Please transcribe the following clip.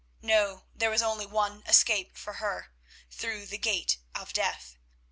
No, there was only one escape for her—through the gate of death.